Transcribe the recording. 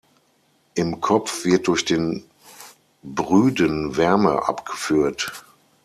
Im Kopf wird durch den Brüden Wärme abgeführt.